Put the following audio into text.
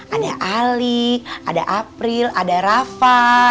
ada ali ada april ada rafa